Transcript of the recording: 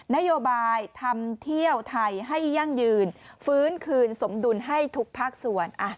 นโยบายทำเที่ยวไทยให้ยั่งยืนฟื้นคืนสมดุลให้ทุกภาคส่วน